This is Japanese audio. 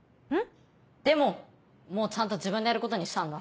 でももうちゃんと自分でやることにしたんだ。